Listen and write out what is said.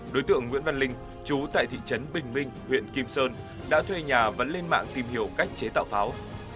đối tượng nguyễn văn linh chú tại thị trấn bình minh huyện kim sơn đã thuê nhà vấn lên mạng tìm hiểu cách chế tạo pháo